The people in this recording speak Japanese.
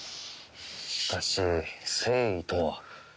しかし誠意とは？